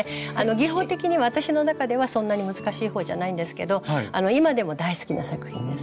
技法的には私の中ではそんなに難しいほうじゃないんですけど今でも大好きな作品です。